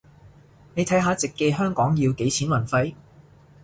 你睇下直寄香港要幾錢運費